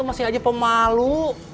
masih aja pemalu